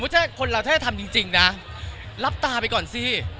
สมมุติว่าถ้าใช่คนเราจะทำจริงนะรับตาไปก่อนสิ